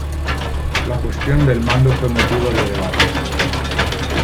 La cuestión del mando fue motivo de debate.